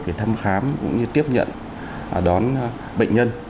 về thăm khám cũng như tiếp nhận đón bệnh nhân